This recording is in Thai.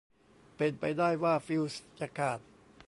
เป็นไปได้ว่าฟิวส์จะขาด